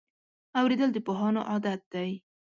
اورېدل د پوهانو عادت دی.